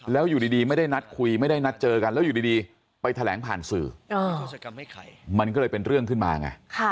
แล้วอยู่ดีไม่ได้นัดคุยไม่ได้นัดเจอกันแล้วอยู่ดีไปแถลงผ่านสื่อมันก็เลยเป็นเรื่องขึ้นมาไง